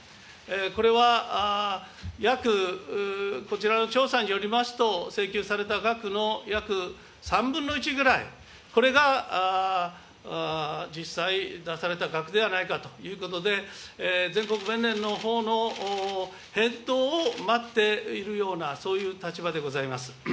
これはこちらの調査によりますと、請求された額の約３分の１ぐらい、これが実際、出された額ではないかということで、全国弁連のほうの返答を待っているような、そういう立場でございます。